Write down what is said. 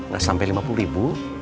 nah sampai lima puluh ribu